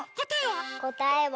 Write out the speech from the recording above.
こたえは？